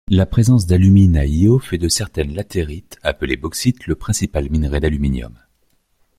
La présence d'alumine AlO fait de certaines latérites appelées bauxite le principal minerai d'aluminium.